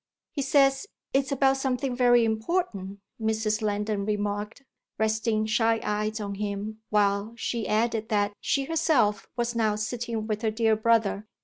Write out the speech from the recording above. "He says it's about something very important," Mrs. Lendon remarked, resting shy eyes on him while she added that she herself was now sitting with her dear brother.